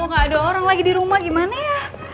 gak ada orang lagi di rumah gimana ya